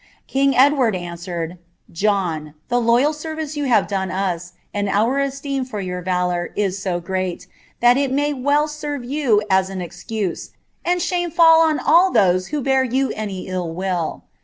King Edward answered, ^ John, the lo3ral service you have done us, lad our esteem for your valour, is so g^reat, that it may well serve you la an excuse, and shame fall on all those who bear you any ill will.